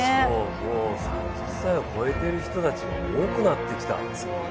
もう３０歳を超えてる人たちが多くなってきた。